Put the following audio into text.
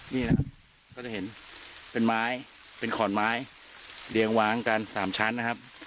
นี่นะครับก็จะเห็นเป็นไม้เป็นขอนไม้เรียงวางกันสามชั้นนะครับ